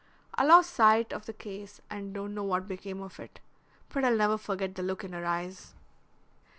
I lost sight of the case and don't know what became of it, but I'll never forget the look in her eyes."